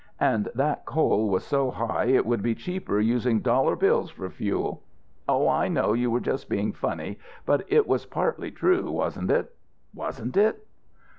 And that coal was so high it would be cheaper using dollar bills for fuel. Oh, I know you were just being funny. But it was partly true. Wasn't it? Wasn't it?"